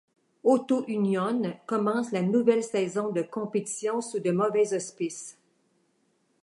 Auto Union commence la nouvelle saison de compétition sous de mauvais auspices.